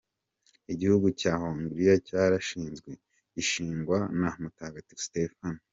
Igihugu cya Hongriya cyarashinzwe, gishingwa na Mutagatifu Stephen.